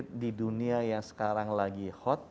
dua obat covid di dunia yang sekarang lagi hot adalah obat covid